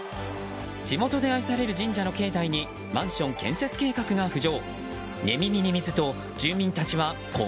地元で愛される神社の境内にマンション建設計画が浮上。